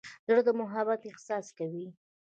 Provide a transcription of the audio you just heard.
زړه د محبت احساس کوي.